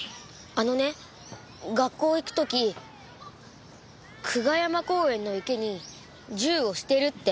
あのね学校行く時「くがやま公園の池に銃を捨てる」って。